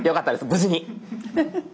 無事に。